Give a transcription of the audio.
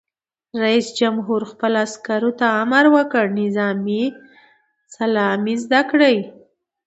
رئیس جمهور خپلو عسکرو ته امر وکړ؛ نظامي سلامي زده کړئ!